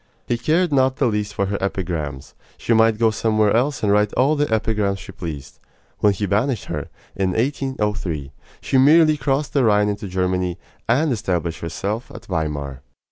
He cared not the least for her epigrams. She might go somewhere else and write all the epigrams she pleased. When he banished her, in 1803, she merely crossed the Rhine into Germany, and established herself at Weimar.